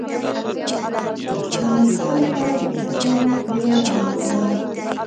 له مشکونو سره د کوچیانو پېغلې او ناويانې.